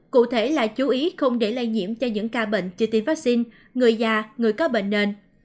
cụ thể là chú ý không để lây nhiễm cho những ca bệnh chưa tiêm vaccine người già người có bệnh nền